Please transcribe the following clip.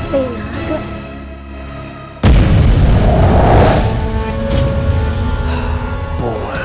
tadi kartu aproximasi deh